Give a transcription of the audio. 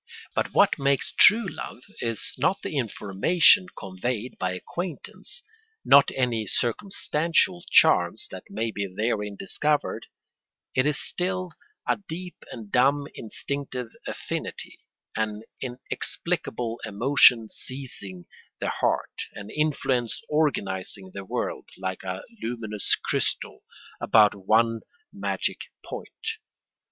But what makes true love is not the information conveyed by acquaintance, not any circumstantial charms that may be therein discovered; it is still a deep and dumb instinctive affinity, an inexplicable emotion seizing the heart, an influence organising the world, like a luminous crystal, about one magic point.